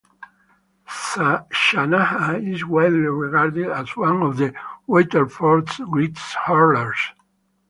Shanahan is widely regarded as one of Waterford's greatest hurlers.